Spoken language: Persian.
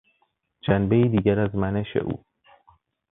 جنبهای دیگر از منش او